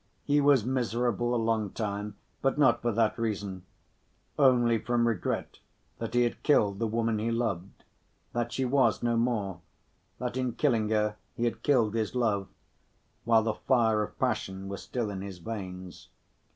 He was miserable a long time, but not for that reason; only from regret that he had killed the woman he loved, that she was no more, that in killing her he had killed his love, while the fire of passion was still in his veins.